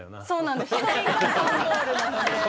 そうなんです。